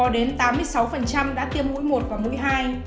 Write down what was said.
sáu đã tiêm mũi một và mũi hai